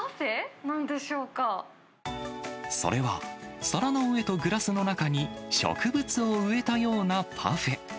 それは、皿の上とグラスの中に植物を植えたようなパフェ。